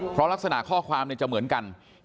เพราะลักษณะข้อความจะเหมือนกัน